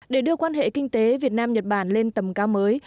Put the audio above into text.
để đưa quan hệ kinh tế việt nam nhật bản lên tầm cao mới